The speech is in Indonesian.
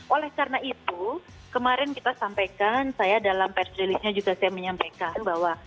oleh karena itu kemarin kita sampaikan saya dalam persilisnya juga saya menyampaikan bahwa